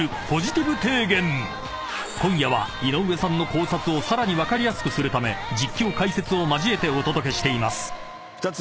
［今夜は井上さんの考察をさらに分かりやすくするため実況解説を交えてお届けしています］